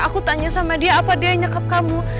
aku tanya sama dia apa dia yang nyakap kamu